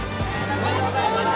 おめでとうございます。